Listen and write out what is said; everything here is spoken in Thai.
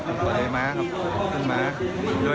ขึ้นมาครับ